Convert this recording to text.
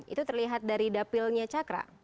itu terlihat dari dapilnya cakra